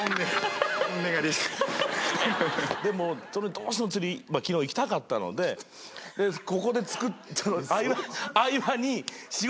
どうしても釣り昨日行きたかったのでここで。